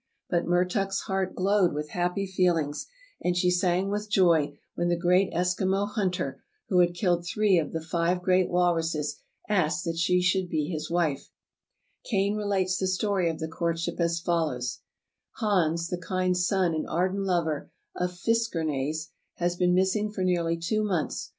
But Mertuk's heart glowed with happy feel ings, and she sang with joy when the great Eskimo hunter, who had killed three of the five great walruses, asked that she would be his wife, Kane relates the story of the courtship as follows: Hans, the kind son and ardent lover of Fiskernaes,* has been missing for nearly two months.